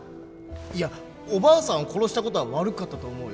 いやおばあさんを殺した事は悪かったと思うよ。